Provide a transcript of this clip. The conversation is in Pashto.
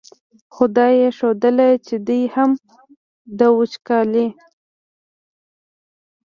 خو دا یې ښودله چې دی هم د وچکالۍ.